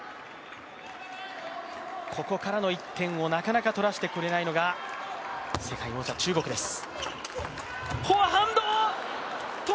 ここからの１点をなかなか取らせてくれないのが世界王者・中国です。